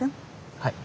はい。